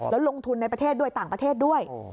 แล้วลงทุนในประเทศด้วยต่างประเทศด้วย